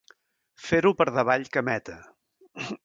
Fer-ho per davall cameta.